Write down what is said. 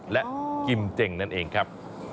และกิมเจ๋งนั่นเองครับ